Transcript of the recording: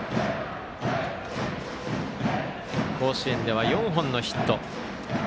甲子園では４本のヒット。